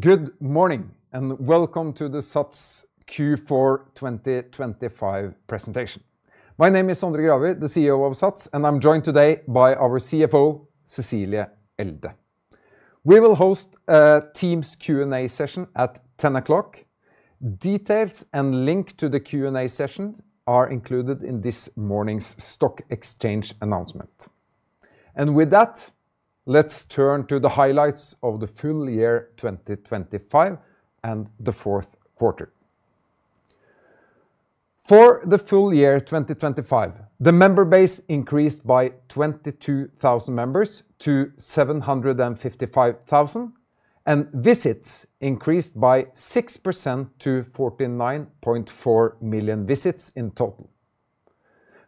Good morning and welcome to the SATS Q4 2025 presentation. My name is Sondre Gravir, the CEO of SATS, and I'm joined today by our CFO, Cecilie Elde. We will host a Teams Q&A session at 10:00 A.M. Details and link to the Q&A session are included in this morning's stock exchange announcement. With that, let's turn to the highlights of the full year 2025 and the fourth quarter. For the full year 2025, the member base increased by 22,000 members to 755,000, and visits increased by 6% to 49.4 million visits in total.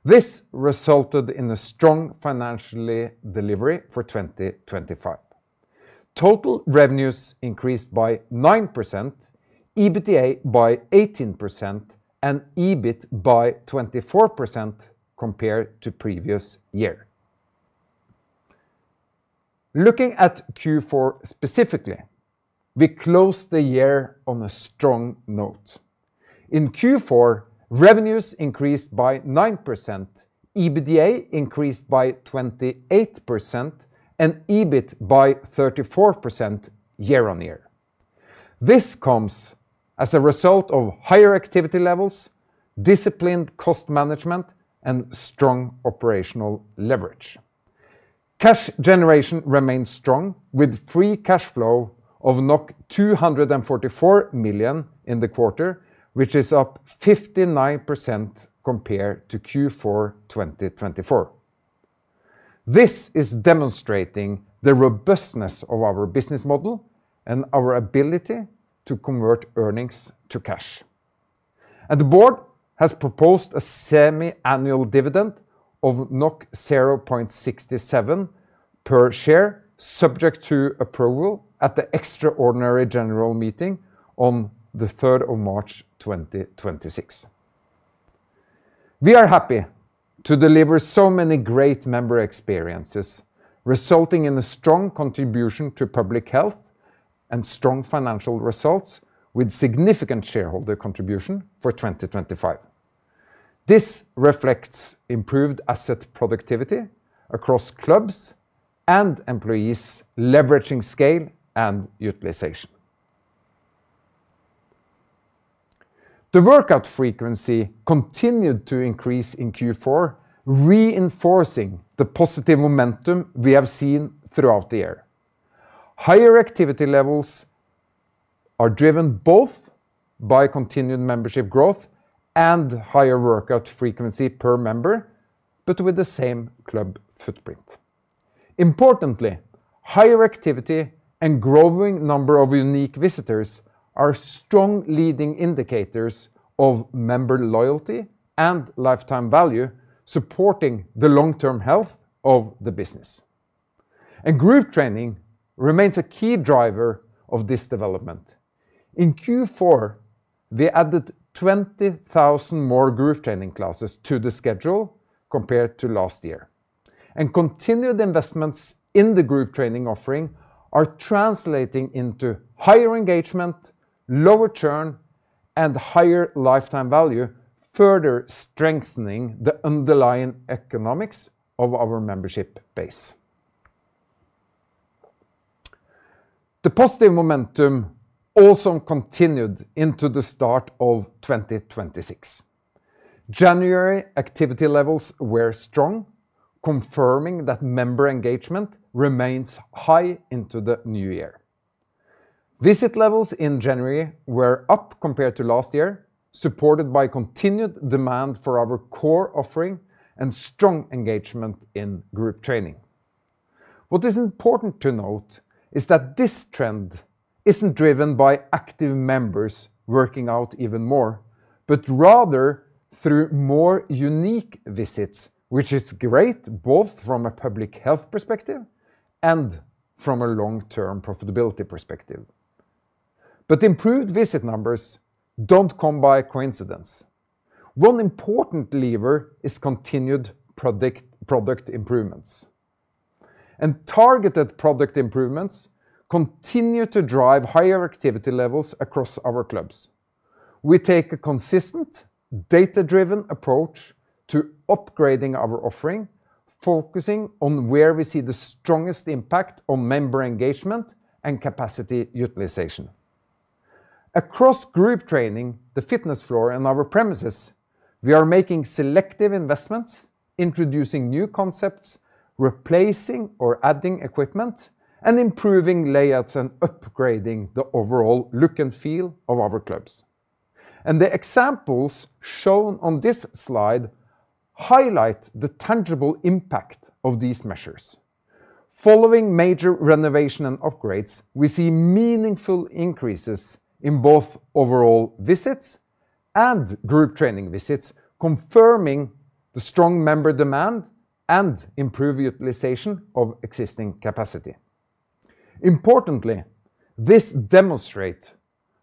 This resulted in a strong financial delivery for 2025: total revenues increased by 9%, EBITDA by 18%, and EBIT by 24% compared to previous year. Looking at Q4 specifically, we closed the year on a strong note. In Q4, revenues increased by 9%, EBITDA increased by 28%, and EBIT by 34% year-on-year. This comes as a result of higher activity levels, disciplined cost management, and strong operational leverage. Cash generation remained strong, with free cash flow of 244 million in the quarter, which is up 59% compared to Q4 2024. This is demonstrating the robustness of our business model and our ability to convert earnings to cash. The board has proposed a semi-annual dividend of 0.67 per share, subject to approval at the extraordinary general meeting on 3 March 2026. We are happy to deliver so many great member experiences, resulting in a strong contribution to public health and strong financial results, with significant shareholder contribution for 2025. This reflects improved asset productivity across clubs and employees leveraging scale and utilization. The workout frequency continued to increase in Q4, reinforcing the positive momentum we have seen throughout the year. Higher activity levels are driven both by continued membership growth and higher workout frequency per member, but with the same club footprint. Importantly, higher activity and growing number of unique visitors are strong leading indicators of member loyalty and lifetime value, supporting the long-term health of the business. Group training remains a key driver of this development. In Q4, we added 20,000 more group training classes to the schedule compared to last year. Continued investments in the group training offering are translating into higher engagement, lower churn, and higher lifetime value, further strengthening the underlying economics of our membership base. The positive momentum also continued into the start of 2026. January activity levels were strong, confirming that member engagement remains high into the new year. Visit levels in January were up compared to last year, supported by continued demand for our core offering and strong engagement in group training. What is important to note is that this trend isn't driven by active members working out even more, but rather through more unique visits, which is great both from a public health perspective and from a long-term profitability perspective. But improved visit numbers don't come by coincidence. One important lever is continued product improvements. And targeted product improvements continue to drive higher activity levels across our clubs. We take a consistent, data-driven approach to upgrading our offering, focusing on where we see the strongest impact on member engagement and capacity utilization. Across group training, the fitness floor, and our premises, we are making selective investments, introducing new concepts, replacing or adding equipment, and improving layouts and upgrading the overall look and feel of our clubs. The examples shown on this slide highlight the tangible impact of these measures. Following major renovation and upgrades, we see meaningful increases in both overall visits and group training visits, confirming the strong member demand and improved utilization of existing capacity. Importantly, this demonstrates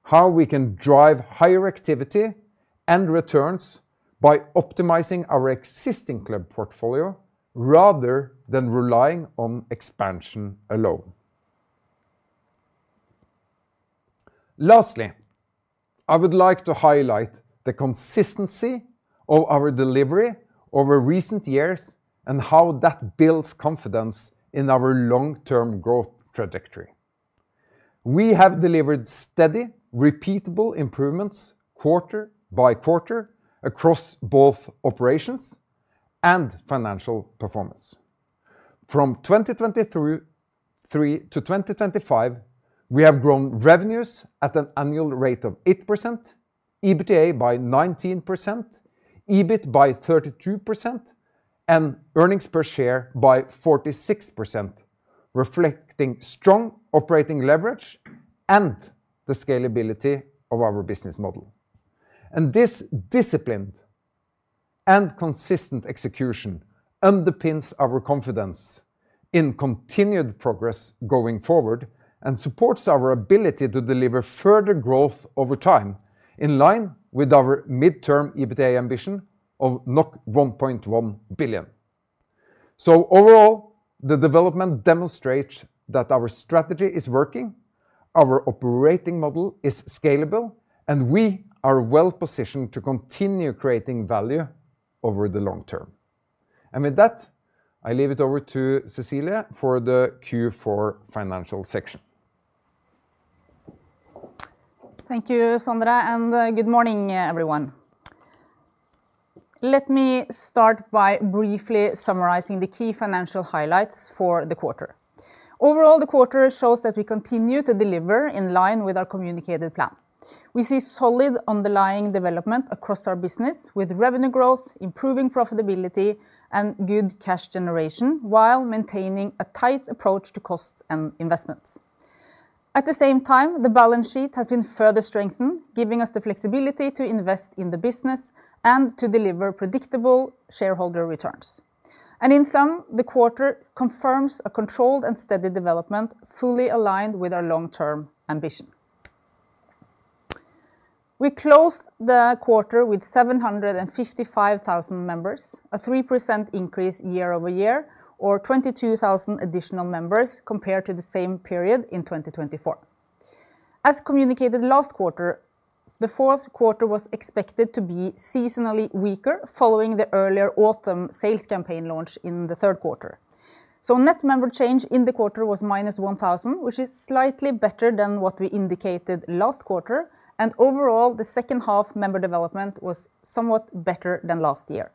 how we can drive higher activity and returns by optimizing our existing club portfolio rather than relying on expansion alone. Lastly, I would like to highlight the consistency of our delivery over recent years and how that builds confidence in our long-term growth trajectory. We have delivered steady, repeatable improvements quarter-by-quarter across both operations and financial performance. From 2023 to 2025, we have grown revenues at an annual rate of 8%, EBITDA by 19%, EBIT by 32%, and earnings per share by 46%, reflecting strong operating leverage and the scalability of our business model. This disciplined and consistent execution underpins our confidence in continued progress going forward and supports our ability to deliver further growth over time in line with our mid-term EBITDA ambition of 1.1 billion. Overall, the development demonstrates that our strategy is working, our operating model is scalable, and we are well positioned to continue creating value over the long term. With that, I leave it over to Cecilie for the Q4 financial section. Thank you, Sondre, and good morning, everyone. Let me start by briefly summarizing the key financial highlights for the quarter. Overall, the quarter shows that we continue to deliver in line with our communicated plan. We see solid underlying development across our business, with revenue growth, improving profitability, and good cash generation while maintaining a tight approach to costs and investments. At the same time, the balance sheet has been further strengthened, giving us the flexibility to invest in the business and to deliver predictable shareholder returns. In sum, the quarter confirms a controlled and steady development fully aligned with our long-term ambition. We closed the quarter with 755,000 members, a 3% increase year-over-year, or 22,000 additional members compared to the same period in 2024. As communicated last quarter, the fourth quarter was expected to be seasonally weaker following the earlier autumn sales campaign launch in the third quarter. So net member change in the quarter was -1,000, which is slightly better than what we indicated last quarter, and overall, the second half member development was somewhat better than last year.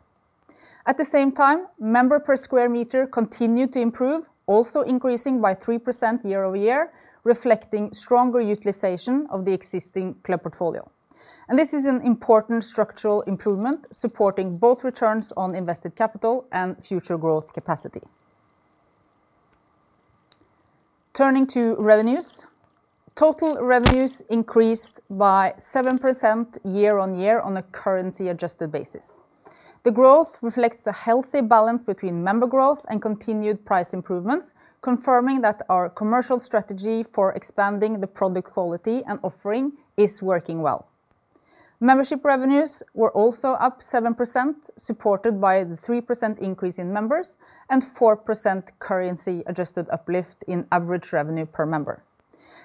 At the same time, member per square meter continued to improve, also increasing by 3% year-over-year, reflecting stronger utilization of the existing club portfolio. This is an important structural improvement, supporting both returns on invested capital and future growth capacity. Turning to revenues: total revenues increased by 7% year-over-year on a currency-adjusted basis. The growth reflects a healthy balance between member growth and continued price improvements, confirming that our commercial strategy for expanding the product quality and offering is working well. Membership revenues were also up 7%, supported by the 3% increase in members and 4% currency-adjusted uplift in average revenue per member.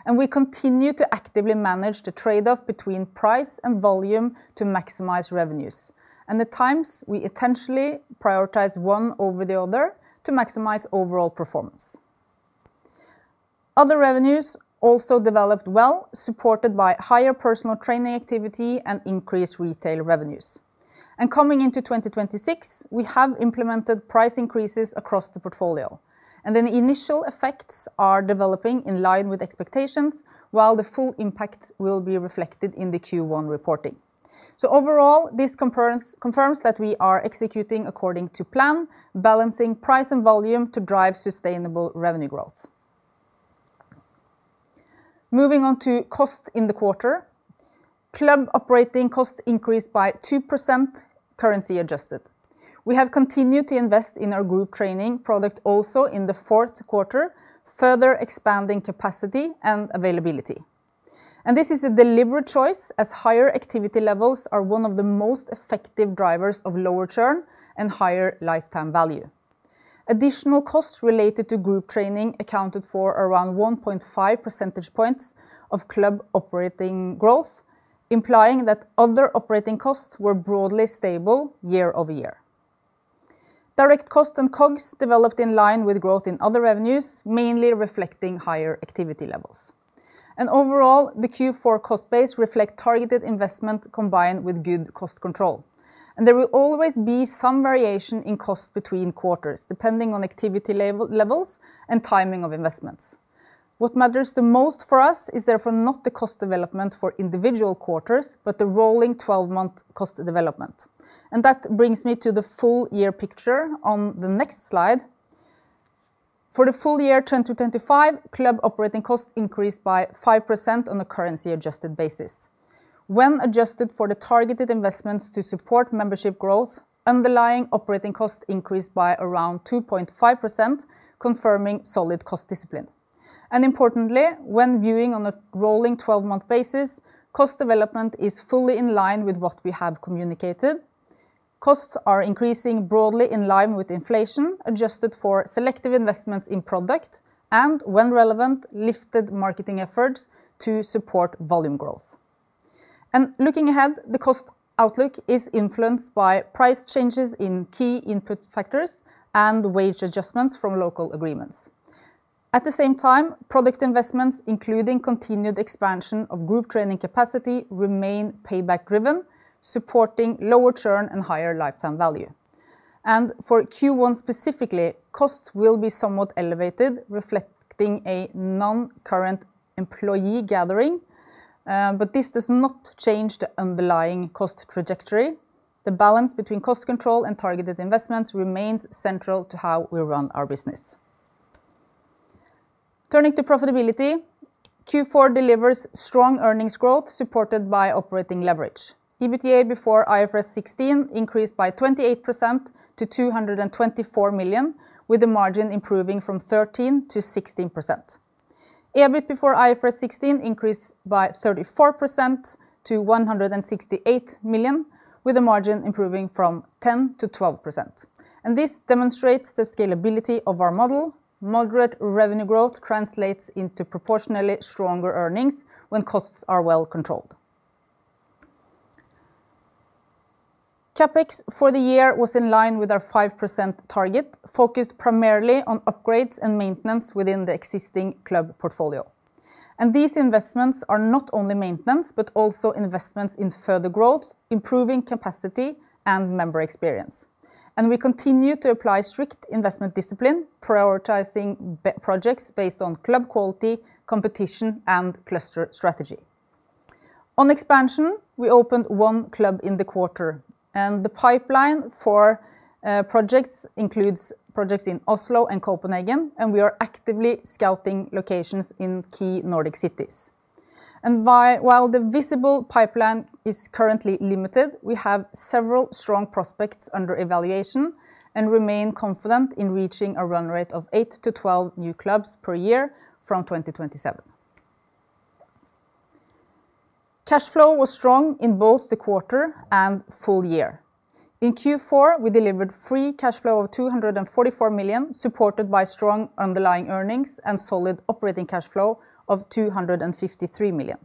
We continue to actively manage the trade-off between price and volume to maximize revenues, and at times, we intentionally prioritize one over the other to maximize overall performance. Other revenues also developed well, supported by higher personal training activity and increased retail revenues. Coming into 2026, we have implemented price increases across the portfolio, and the initial effects are developing in line with expectations, while the full impact will be reflected in the Q1 reporting. Overall, this confirms that we are executing according to plan, balancing price and volume to drive sustainable revenue growth. Moving on to cost in the quarter: club operating cost increased by 2% currency-adjusted. We have continued to invest in our group training product also in the fourth quarter, further expanding capacity and availability. This is a deliberate choice, as higher activity levels are one of the most effective drivers of lower churn and higher lifetime value. Additional costs related to group training accounted for around 1.5 percentage points of club operating growth, implying that other operating costs were broadly stable year-over-year. Direct costs and COGS developed in line with growth in other revenues, mainly reflecting higher activity levels. Overall, the Q4 cost base reflects targeted investment combined with good cost control. There will always be some variation in costs between quarters, depending on activity levels and timing of investments. What matters the most for us is therefore not the cost development for individual quarters, but the rolling 12-month cost development. That brings me to the full-year picture on the next slide. For the full year 2025, club operating cost increased by 5% on a currency-adjusted basis. When adjusted for the targeted investments to support membership growth, underlying operating cost increased by around 2.5%, confirming solid cost discipline. Importantly, when viewing on a rolling 12-month basis, cost development is fully in line with what we have communicated. Costs are increasing broadly in line with inflation, adjusted for selective investments in product and, when relevant, lifted marketing efforts to support volume growth. Looking ahead, the cost outlook is influenced by price changes in key input factors and wage adjustments from local agreements. At the same time, product investments, including continued expansion of group training capacity, remain payback-driven, supporting lower churn and higher lifetime value. For Q1 specifically, costs will be somewhat elevated, reflecting a non-current employee gathering. This does not change the underlying cost trajectory. The balance between cost control and targeted investments remains central to how we run our business. Turning to profitability: Q4 delivers strong earnings growth supported by operating leverage. EBITDA before IFRS 16 increased by 28% to 224 million, with the margin improving from 13% to 16%. EBIT before IFRS 16 increased by 34% to 168 million, with the margin improving from 10% to 12%. This demonstrates the scalability of our model: moderate revenue growth translates into proportionally stronger earnings when costs are well controlled. CapEx for the year was in line with our 5% target, focused primarily on upgrades and maintenance within the existing club portfolio. These investments are not only maintenance but also investments in further growth, improving capacity, and member experience. We continue to apply strict investment discipline, prioritizing projects based on club quality, competition, and cluster strategy. On expansion, we opened 1 club in the quarter. The pipeline for projects includes projects in Oslo and Copenhagen, and we are actively scouting locations in key Nordic cities. While the visible pipeline is currently limited, we have several strong prospects under evaluation and remain confident in reaching a run rate of 8-12 new clubs per year from 2027. Cash flow was strong in both the quarter and full year. In Q4, we delivered free cash flow of 244 million, supported by strong underlying earnings and solid operating cash flow of 253 million.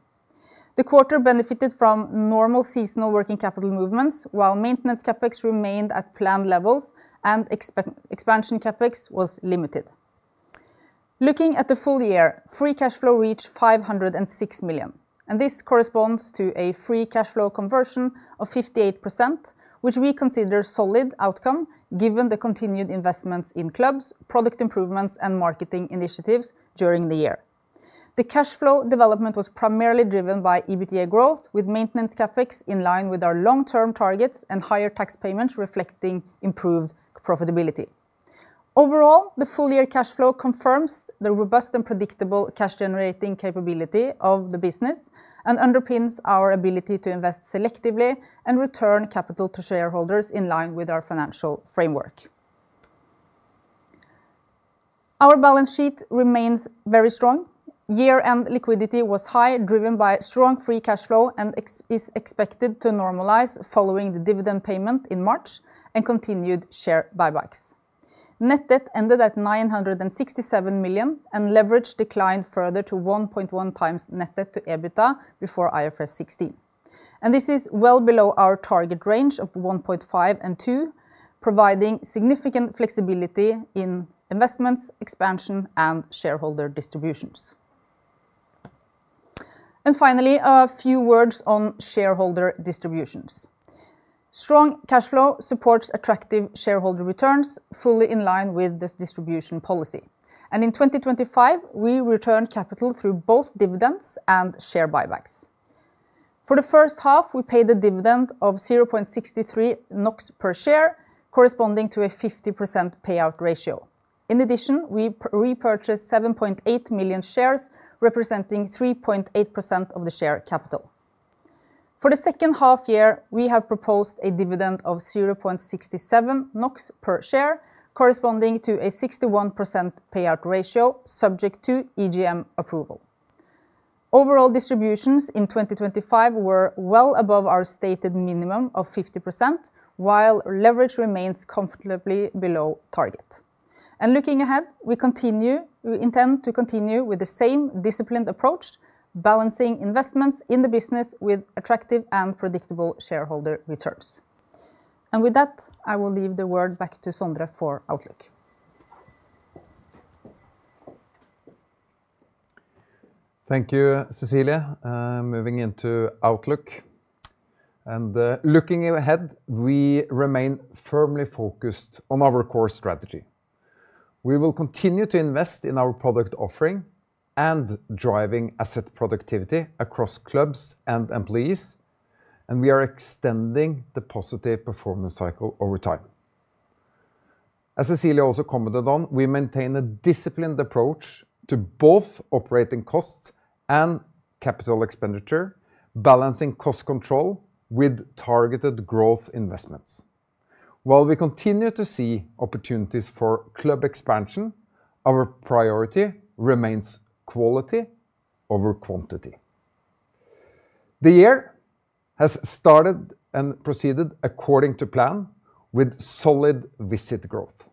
The quarter benefited from normal seasonal working capital movements, while maintenance CapEx remained at planned levels and expansion CapEx was limited. Looking at the full year, free cash flow reached 506 million. This corresponds to a free cash flow conversion of 58%, which we consider a solid outcome given the continued investments in clubs, product improvements, and marketing initiatives during the year. The cash flow development was primarily driven by EBITDA growth, with maintenance CapEx in line with our long-term targets and higher tax payments reflecting improved profitability. Overall, the full-year cash flow confirms the robust and predictable cash-generating capability of the business and underpins our ability to invest selectively and return capital to shareholders in line with our financial framework. Our balance sheet remains very strong. Year-end liquidity was high, driven by strong free cash flow, and is expected to normalize following the dividend payment in March and continued share buybacks. Net debt ended at 967 million and leverage declined further to 1.1 times net debt to EBITDA before IFRS 16. This is well below our target range of 1.5-2, providing significant flexibility in investments, expansion, and shareholder distributions. Finally, a few words on shareholder distributions. Strong cash flow supports attractive shareholder returns, fully in line with this distribution policy. In 2025, we returned capital through both dividends and share buybacks. For the first half, we paid a dividend of 0.63 NOK per share, corresponding to a 50% payout ratio. In addition, we repurchased 7.8 million shares, representing 3.8% of the share capital. For the second half-year, we have proposed a dividend of 0.67 NOK per share, corresponding to a 61% payout ratio, subject to EGM approval. Overall distributions in 2025 were well above our stated minimum of 50%, while leverage remains comfortably below target. Looking ahead, we intend to continue with the same disciplined approach, balancing investments in the business with attractive and predictable shareholder returns. With that, I will leave the word back to Sondre for Outlook. Thank you, Cecilie. Moving into Outlook. Looking ahead, we remain firmly focused on our core strategy. We will continue to invest in our product offering and driving asset productivity across clubs and employees, and we are extending the positive performance cycle over time. As Cecilie also commented on, we maintain a disciplined approach to both operating costs and capital expenditure, balancing cost control with targeted growth investments. While we continue to see opportunities for club expansion, our priority remains quality over quantity. The year has started and proceeded according to plan, with solid visit growth.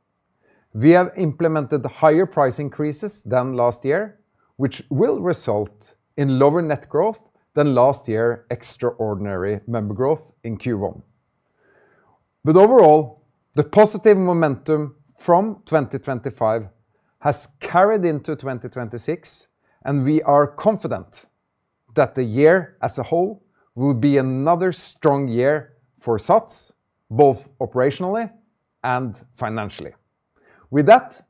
We have implemented higher price increases than last year, which will result in lower net growth than last year's extraordinary member growth in Q1. But overall, the positive momentum from 2025 has carried into 2026, and we are confident that the year as a whole will be another strong year for SATS, both operationally and financially. With that,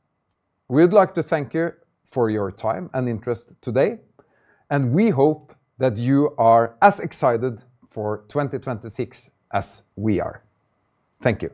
we would like to thank you for your time and interest today, and we hope that you are as excited for 2026 as we are. Thank you.